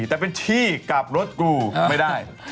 แต่เป็นที่กลับรถกูไม่ได้